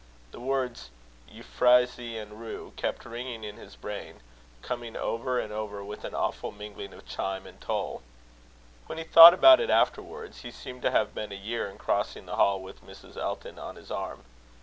The words "euphrasy and rue" kept ringing in his brain, coming over and over with an awful mingling of chime and toll. When he thought about it afterwards, he seemed to have been a year in crossing the hall with Mrs. Elton on his arm.